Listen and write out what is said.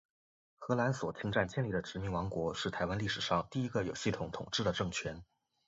荷兰所侵占建立的殖民王国，是台湾历史上第一个有系统统治的政权。